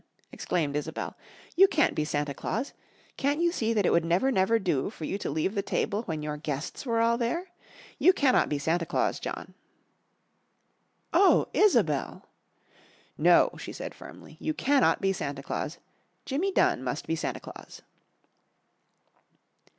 exclaimed Isobel. "You can't be Santa Claus! Can't you see that it would never, never do for you to leave the table when your guests were all there? You cannot be Santa Claus, John!" "Oh, Isobel!" "No," she said firmly, "you cannot be Santa Claus. Jimmy Dunn must be Santa Claus!"